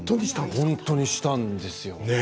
本当にしたんです。